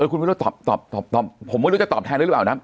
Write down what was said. คุณวิโรธตอบผมไม่รู้จะตอบแทนด้วยหรือเปล่านะ